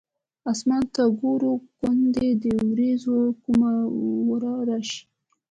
اسمان ته ګورو ګوندې د ورېځو کومه ورا راشي.